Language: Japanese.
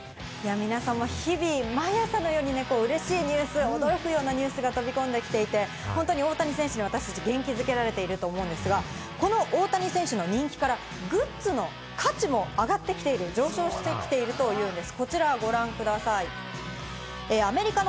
皆様、日々毎朝のように嬉しいニュース、驚くようなニュースが飛び込んで来ていて、本当に大谷選手に私達、元気づけられていると思うんですが、この大谷選手の人気からグッズの価値も上がってきている、上昇してきているというんです。